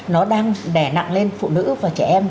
nó đang đè nặng lên phụ nữ và trẻ em